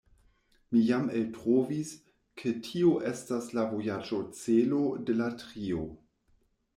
Ni jam eltrovis, ke tio estas la vojaĝocelo de la trio.